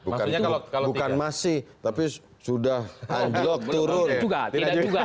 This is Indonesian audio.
maksudnya kalau bukan masih tapi sudah unblock turun